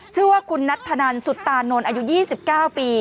ชื่อว่าคุณนัทธนันสุตานนท์อายุ๒๙ปี